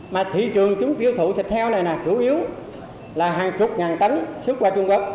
mà thị trường chúng tiêu thụ thịt heo này là chủ yếu là hàng chục ngàn tấn xuất qua trung quốc